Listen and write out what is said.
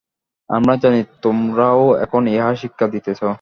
আমরা জানি, তোমরাও এখন ইহা শিক্ষা দিতেছ।